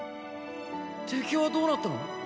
敵はどうなったの？